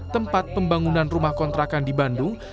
tempat pembangunan rumah kontrakan di bandung